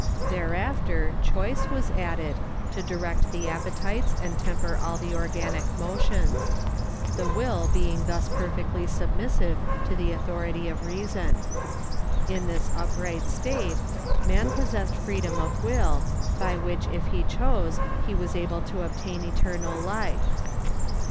Thereafter choice was added to direct the appetites and temper all the organic motions; the will being thus perfectly submissive to the authority of reason. In this upright state, man possessed freedom of will, by which if he chose he was able to obtain eternal life.